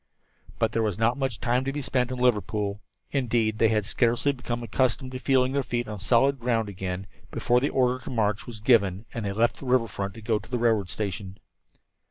But there was not much time to be spent in Liverpool. Indeed, they had scarcely become accustomed to feeling their feet on solid ground again before the order to march was given, and they left the river front to go to the railroad station.